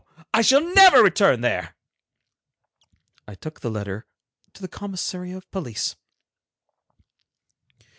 I shall never return there!" I took the letter to the commissary of police.